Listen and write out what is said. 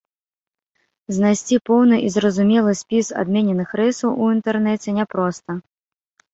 Знайсці поўны і зразумелы спіс адмененых рэйсаў у інтэрнэце няпроста.